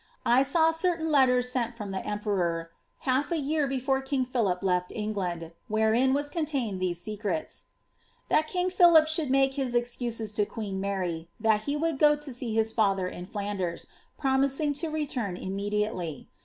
1 saw certain letters sent from the emperor, half a yeSe before king Philip left England, wherein was contained these secrets ^' That king Philip should make his excuses to queen Mary, that he would go to see his father in Flanders, promising to return iimnediately.